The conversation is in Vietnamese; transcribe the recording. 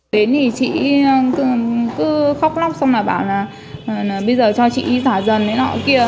đến thì chị cứ khóc lóc xong là bảo là bây giờ cho chị giả dần đấy nọ kia